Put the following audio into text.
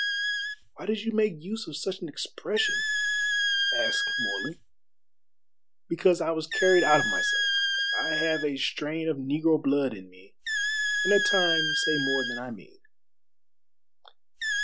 "Why did you make use of such an expression?" asked Morley. "Because I was carried out of myself. I have a strain of negro blood in me, and at times say more than I mean."